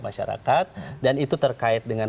masyarakat dan itu terkait dengan